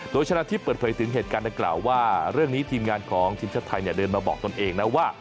โดยชนะทิพย์เปิดเผยถึงเหตุการณ์นะครับว่าเรื่องนี้ทีมงานของชิมชะไทยเนี่ยเดินมาบอกตนเองนะว่า